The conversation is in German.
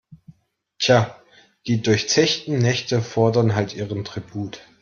Tja, die durchzechten Nächte fordern halt ihren Tribut.